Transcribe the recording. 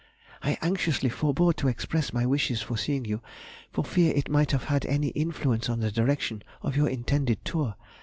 I anxiously forbore to express my wishes for seeing you, for fear it might have had any influence on the direction of your intended tour.